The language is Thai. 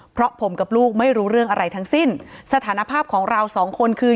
เพราะผมกับลูกไม่รู้เรื่องอะไรทั้งสิ้นสถานภาพของเราสองคนคือ